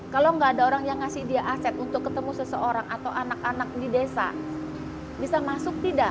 kalau nggak ada orang yang ngasih dia aset untuk ketemu seseorang atau anak anak di desa bisa masuk tidak